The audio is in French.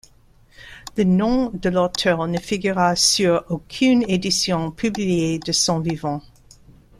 Le nom de l’auteur ne figura sur aucune édition publiée de son vivant.